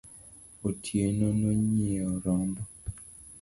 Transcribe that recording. Otieno nonyiewo rombo